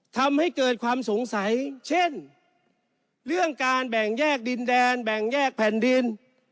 ทำให้เกิดความสงสัยเช่นเรื่องการแบ่งแยกดินแดนแบ่งแยกแผ่นดิน